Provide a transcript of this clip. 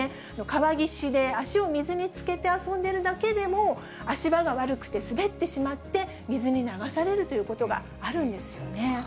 川岸で足を水につけて遊んでるだけでも、足場が悪くて滑ってしまって、水に流されるということがあるんですよね。